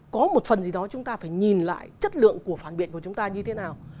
có một phần gì đó chúng ta phải nhìn lại chất lượng của phản biện của chúng ta như thế nào